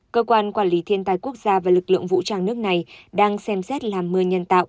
cơ quan quản lý thiên tai quốc gia và lực lượng vũ trang nước này đang xem xét làm mưa nhân tạo